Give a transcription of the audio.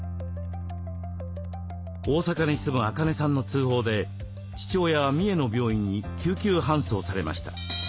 大阪に住むアカネさんの通報で父親は三重の病院に救急搬送されました。